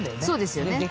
そうですよね。